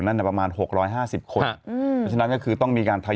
นั่นเนี่ยประมาณหกร้อยห้าสิบคนค่ะอืมฉะนั้นก็คือต้องมีการทะยอย